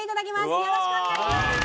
よろしくお願いします！